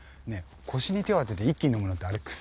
腰に手を当てて一気に飲むのってあれ癖？